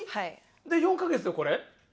で、４か月でこれ？